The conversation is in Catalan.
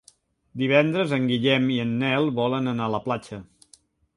Divendres en Guillem i en Nel volen anar a la platja.